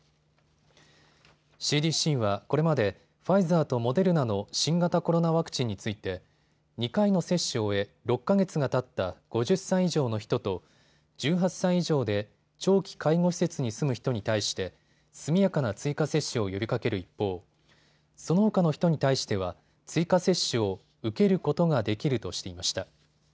ＣＤＣはこれまでファイザーとモデルナの新型コロナワクチンについて２回の接種を終え６か月がたった５０歳以上の人と１８歳以上で長期介護施設に住む人に対して速やかな追加接種を呼びかける一方、そのほかの人に対しては追加接種を受けることができるとしていました。